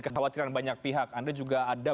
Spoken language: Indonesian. kekhawatiran banyak pihak anda juga ada